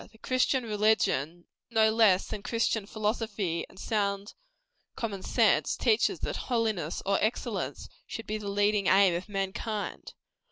The Christian religion, no less than Christian philosophy and sound common sense, teaches that holiness or excellence should be the leading aim of mankind.